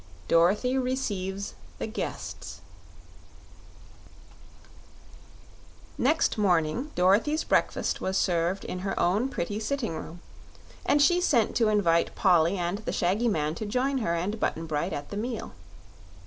21. Dorothy Receives the Guests Next morning Dorothy's breakfast was served in her own pretty sitting room, and she sent to invite Polly and the shaggy man to join her and Button Bright at the meal.